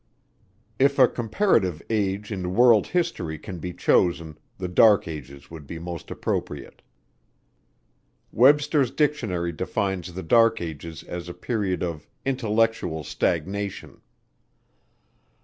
If a comparative age in world history can be chosen, the Dark Ages would be most appropriate. Webster's Dictionary defines the Dark Ages as a period of "intellectual stagnation."